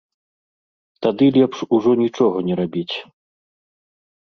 Тады лепш ужо нічога не рабіць.